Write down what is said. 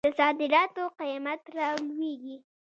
د صادراتو قیمت رالویږي.